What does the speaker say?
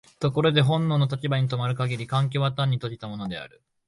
ところで本能の立場に止まる限り環境は単に閉じたものである。